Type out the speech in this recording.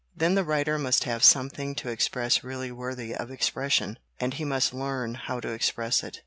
Then the writer must have something to express really worthy of expression, and he must learn how to express it.